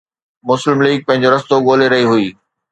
مسلم ليگ پنهنجو رستو ڳولي رهي هئي.